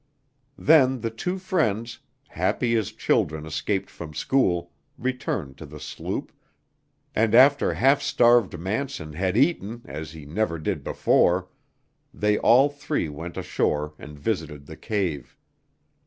Then the two friends, happy as children escaped from school, returned to the sloop, and after half starved Manson had eaten as he never did before, they all three went ashore and visited the cave.